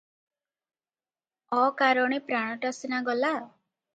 ଅକାରଣେ ପ୍ରାଣଟା ସିନା ଗଲା ।